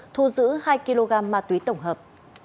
thu giữ hai kg ma túy tổng hợp